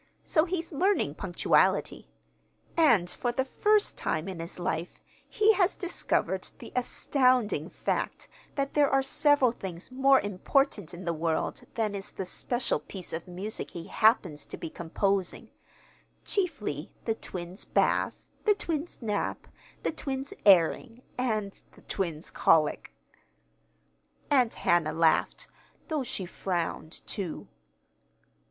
So he's learning punctuality. And for the first time in his life he has discovered the astounding fact that there are several things more important in the world than is the special piece of music he happens to be composing chiefly the twins' bath, the twins' nap, the twins' airing, and the twins' colic." Aunt Hannah laughed, though she frowned, too.